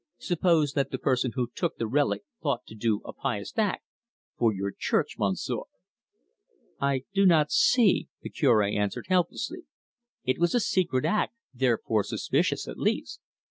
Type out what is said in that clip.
Suppose that the person who took the relic thought to do a pious act for your Church, Monsieur?" "I do not see," the Cure answered helplessly. "It was a secret act, therefore suspicious at least."